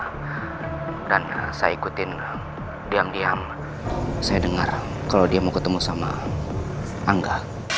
hai dan saya ikutin diam diam saya dengar kalau dia mau ketemu sama angga